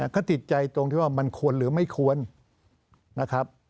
ก็ติดใจตรงที่ว่ามันควรหรือไม่ควรนะครับ